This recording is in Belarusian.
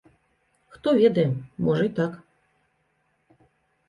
Хто ведае, можа і так.